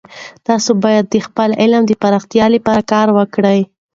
تاسې باید د خپل علم د پراختیا لپاره کار وکړئ.